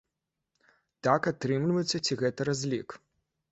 Так атрымліваецца ці гэта разлік?